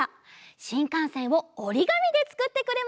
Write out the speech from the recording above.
しんかんせんをおりがみでつくってくれました。